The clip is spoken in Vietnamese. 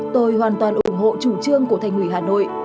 tôi hoàn toàn ủng hộ chủ trương của thành ủy hà nội